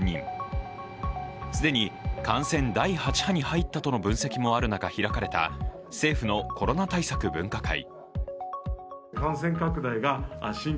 既に感染第８波に入ったとの分析もある中、開かれた政府のコロナ対策分科会。